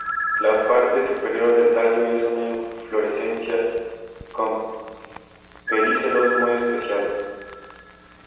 La parte superior del tallo es una inflorescencia con pedicelos muy espaciados.